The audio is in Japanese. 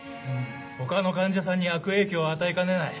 他の患者さんに悪影響を与えかねない。